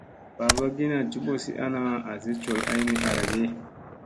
Babagina joɓozi ana azi col ay ni arage.